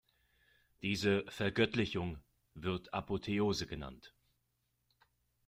Diese „Vergöttlichung“ wird Apotheose genannt.